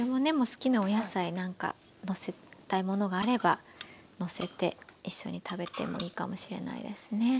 好きなお野菜なんかのせたいものがあればのせて一緒に食べてもいいかもしれないですね。